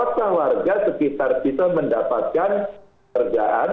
apakah warga sekitar kita mendapatkan kerjaan